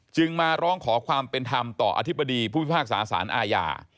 มาร้องขอความเป็นธรรมต่ออธิบดีผู้พิพากษาสารอาญา